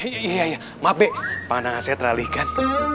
ya ya ya mabek mana ngasih terlalu ikat